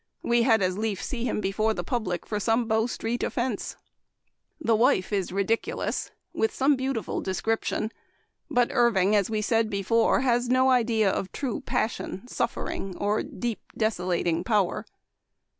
We had as lief see him before the public for some Bow street offense. " The Wife is ridiculous, with some beau tiful description ; but Irving, as we said before, has no idea of true passion, suffering, or deep, desolating power.